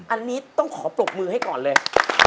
อันนี้ต้องขอปรบมือให้ก่อนเลย